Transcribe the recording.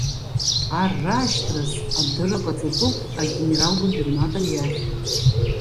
Ар раашьҭраз адырра ҟаҵатәуп агенерал-губернатор иахь.